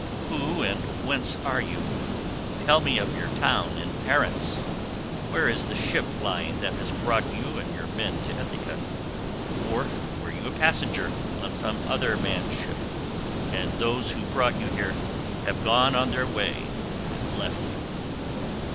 Who and whence are you—tell me of your town and parents? Where is the ship lying that has brought you and your men to Ithaca? Or were you a passenger on some other man's ship, and those who brought you here have gone on their way and left you?"